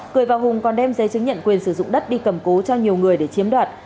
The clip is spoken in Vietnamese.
cười và hùng còn đem giấy chứng nhận quyền sử dụng đất đi cầm cố cho nhiều người để chiếm đoạt